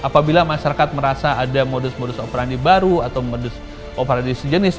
apabila masyarakat merasa ada modus modus operandi baru atau modus operandi sejenis